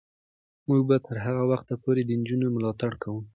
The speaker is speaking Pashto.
موږ به تر هغه وخته پورې د نجونو ملاتړ کوو.